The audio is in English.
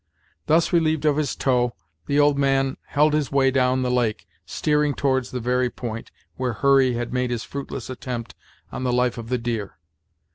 Thus relieved of his tow, the old man held his way down the lake, steering towards the very point where Hurry had made his fruitless attempt on the life of the deer.